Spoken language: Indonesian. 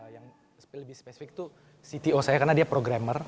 yang lebih spesifik itu cto saya karena dia programmer